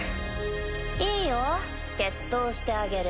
いいよ決闘してあげる。